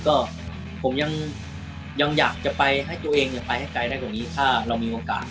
ก็ยังไงเขาเอาลง